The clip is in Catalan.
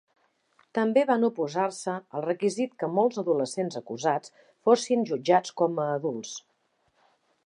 També van oposar-se al requisit que molts adolescents acusats fossin jutjats com a adults.